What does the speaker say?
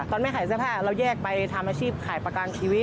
ไม่ขายเสื้อผ้าเราแยกไปทำอาชีพขายประกันชีวิต